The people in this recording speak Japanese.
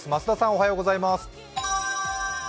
おはようございます。